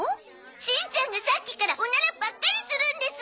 しんちゃんがさっきからオナラばっかりするんです！